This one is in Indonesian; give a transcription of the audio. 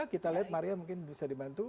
kita lihat maria mungkin bisa dibantu